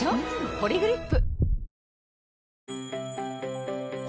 「ポリグリップ」